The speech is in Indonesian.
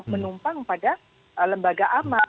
menumpang pada lembaga amal